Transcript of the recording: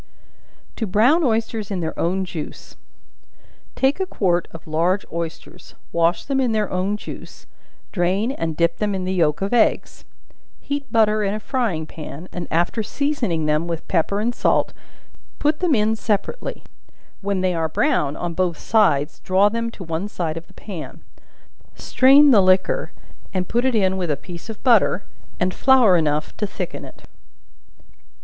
To Brown Oysters in their own Juice. Take a quart of large oysters, wash them in their own juice, drain and dip them in the yelk of eggs; heat butter in a frying pan, and after seasoning them with pepper and salt, put them in separately; when they are brown on both sides, draw them to one side of the pan; strain the liquor, and put it in with a piece of butter and flour enough to thicken it.